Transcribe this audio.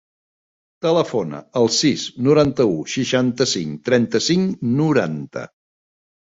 Telefona al sis, noranta-u, seixanta-cinc, trenta-cinc, noranta.